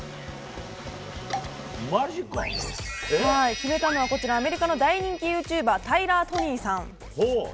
決めたのはアメリカの大人気ユーチューバータイラー・トニーさん。